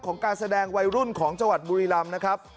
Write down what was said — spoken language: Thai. การแสดงวัยรุ่นของจังหวัดบุรีรำนะครับ